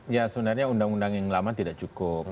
ya sebenarnya undang undang yang lama tidak cukup